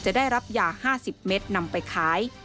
ได้รับยา๕๐เมตรนำไปขาย